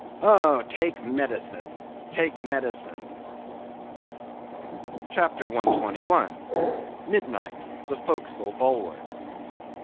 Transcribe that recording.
Oh, take medicine, take medicine!" CHAPTER 121. Midnight.—The Forecastle Bulwarks.